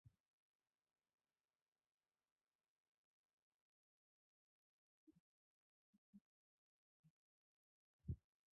布尔格贝尔恩海姆是德国巴伐利亚州的一个市镇。